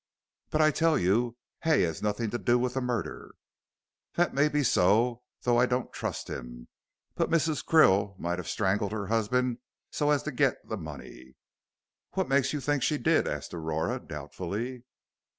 "But I tell you Hay has nothing to do with the murder." "That may be so, though I don't trust him. But Mrs. Krill might have strangled her husband so as to get the money." "What makes you think she did?" asked Aurora, doubtfully.